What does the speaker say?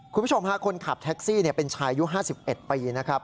คุณผู้ชมฮาคนขับแท็กซี่เนี่ยเป็นชายยุคห้าสิบเอ็ดปีนะครับ